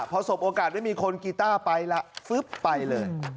พอสบโอกาสไม่มีคนกีต้าไปละฟึ๊บไปเลย